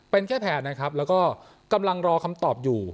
เป็นแค่แผนนะครับแล้วก็กำลังรอคำตอบอยู่